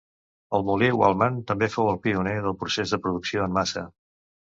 El molí Waltham també fou el pioner del procés de producció en massa.